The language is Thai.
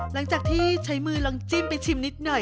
หลังจากที่ใช้มือลองจิ้มไปชิมนิดหน่อย